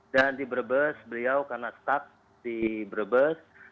dan di berbes beliau karena staf di berbes